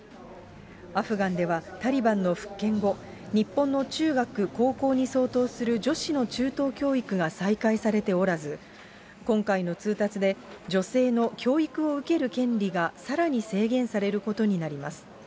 アフガンでは、タリバンの復権後、日本の中学、高校に相当する女子の中等教育が再開されておらず、今回の通達で、女性の教育を受ける権利がさらに制限されることになります。